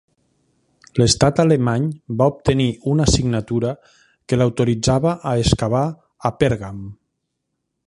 L'Estat alemany va obtenir una signatura que l'autoritzava a excavar a Pèrgam.